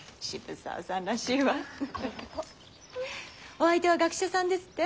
お相手は学者さんですって？